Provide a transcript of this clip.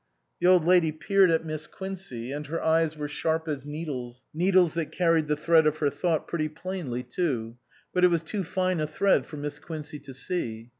The Old Lady peered at Miss Quincey and her eyes were sharp as needles, needles that carried the thread of her thought pretty plainly too, but it was too fine a thread for Miss Quin cey to see.